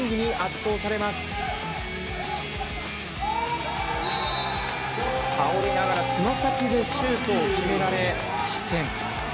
倒れながらつま先でシュートを決められ失点。